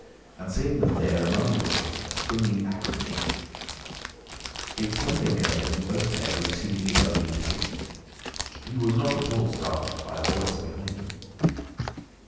And seeing them there among the grass and springing agrimony, it suddenly occurred to him that both pairs were exceedingly ugly to see. He was not at all startled by a voice behind him.